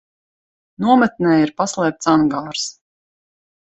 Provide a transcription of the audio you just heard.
Nometnē ir paslēpts angārs.